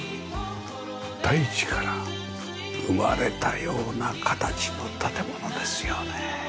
大地から生まれたような形の建物ですよね。